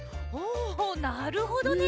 おなるほどね。